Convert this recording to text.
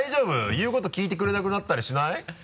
言うこと聞いてくれなくなったりしない？